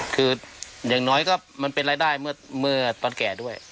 คืออย่างน้อยก็มันเป็นรายได้เมื่อตอนแก่ด้วย